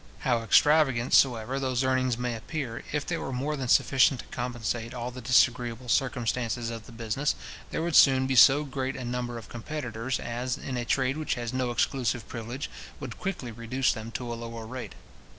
How extravagant soever those earnings may appear, if they were more than sufficient to compensate all the disagreeable circumstances of the business, there would soon be so great a number of competitors, as, in a trade which has no exclusive privilege, would quickly reduce them to a lower rate.